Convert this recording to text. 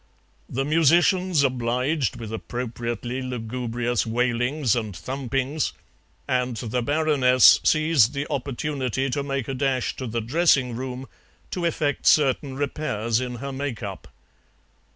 The musicians obliged with appropriately lugubrious wailings and thumpings, and the Baroness seized the opportunity to make a dash to the dressing room to effect certain repairs in her make up.